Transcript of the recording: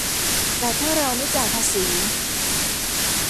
แต่ถ้าเราไม่จ่ายภาษี